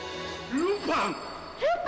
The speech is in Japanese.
ルパン！